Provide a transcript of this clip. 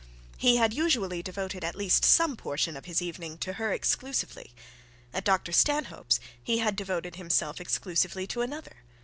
He had usually devoted at least some portion of his evening to her exclusively. At Dr Stanhope's he had devoted himself exclusively to another.